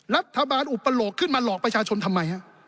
รัฐบาลอุปโลกขึ้นมาหลอกประชาชนทำไมฮะ